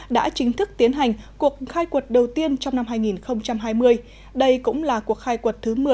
đã chính thức tiến hành cuộc khai quật đầu tiên trong năm hai nghìn hai mươi đây cũng là cuộc khai quật thứ một mươi